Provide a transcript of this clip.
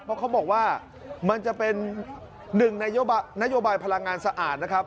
เพราะเขาบอกว่ามันจะเป็นหนึ่งในนโยบายพลังงานสะอาดนะครับ